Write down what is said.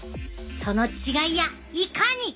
その違いやいかに！？